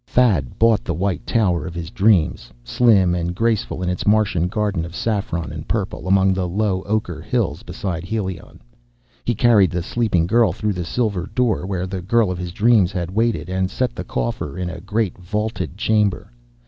Thad bought the white tower of his dreams, slim and graceful in its Martian garden of saffron and purple, among the low ocher hills beside Helion. He carried the sleeping girl through the silver door where the girl of his dreams had waited, and set the coffer in a great, vaulted chamber.